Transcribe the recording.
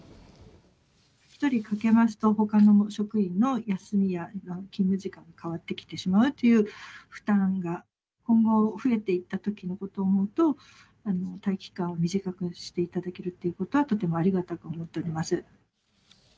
１人欠けますと、ほかの職員の休みや勤務時間が変わってきてしまうという負担が、今後、増えていったときのことを思うと、待機期間を短くしていただけるということは、とてもありがたく思っております。